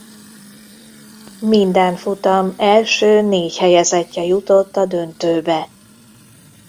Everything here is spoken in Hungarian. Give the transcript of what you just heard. Minden futam első négy helyezettje jutott a döntőbe.